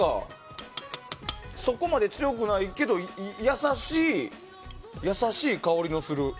そこまで強くないけど優しい香りのする。